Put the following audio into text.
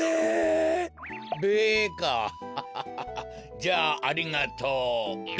じゃあありがとうべ。